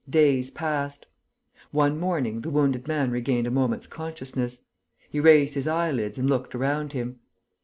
Days passed. One morning, the wounded man regained a moment's consciousness. He raised his eyelids and looked around him.